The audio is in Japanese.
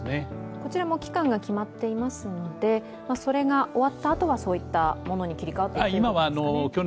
こちらも期間が決まっていますのでそれが終わったあとは、そういったものに切り替わっていくんですかね？